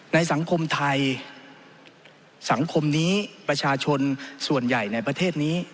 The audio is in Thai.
ในสังคมไทยสังคมนี้ประชาชนส่วนใหญ่ในประเทศนี้